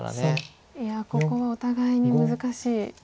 いやここはお互いに難しい。